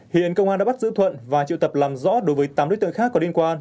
hiện công an đã bắt giữ thuận và triệu tập làm rõ đối với tám đối tượng khác có liên quan